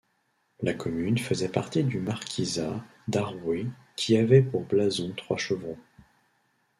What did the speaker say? La commune faisait partie du marquisat d’Haroué qui avait pour blason trois chevrons.